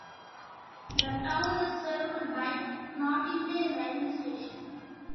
The town is served by Knottingley railway station.